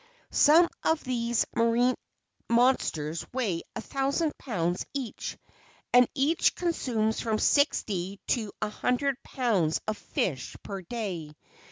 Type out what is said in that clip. Some of these marine monsters weigh a thousand pounds each, and each consumes from sixty to a hundred pounds of fish per day.